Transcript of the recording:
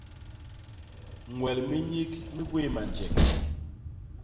Ñwel mi nyik mi gwéé manjek.